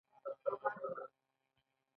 ګل راغلی، ګل پاڼه راغله